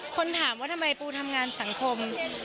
คนถามว่าทำไมปูทำงานสังคม